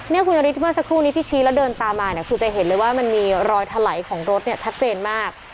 คุณนฤทธิเมื่อสักครู่นี้ที่ชี้แล้วเดินตามมาเนี่ยคือจะเห็นเลยว่ามันมีรอยถลายของรถเนี่ยชัดเจนมาก